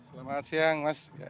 selamat siang mas